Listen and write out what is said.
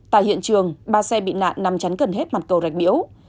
tại hiện trường ba xe bị nạn nằm chắn gần hết mặt cầu rạch biễu